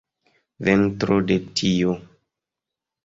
Ventro de tio!